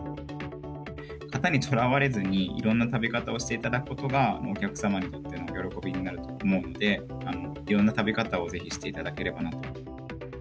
型にとらわれずに、いろんな食べ方をしていただくことが、お客様にとっての喜びになると思うので、いろんな食べ方をぜひしていただければなと。